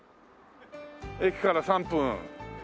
駅から３分。